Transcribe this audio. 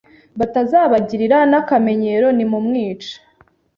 batazabigira n’akamenyero. Nimumwice